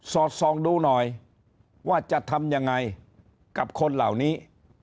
อดส่องดูหน่อยว่าจะทำยังไงกับคนเหล่านี้